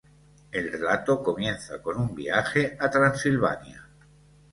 El relato comienza con un viaje a Transilvania.